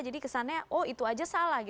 jadi kesannya oh itu saja salah